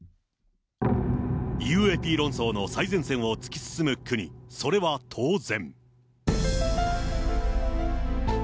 ＵＡＰ論争の最前線を突き進む国、それは当然。